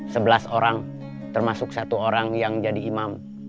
sebelas orang termasuk satu orang yang jadi imam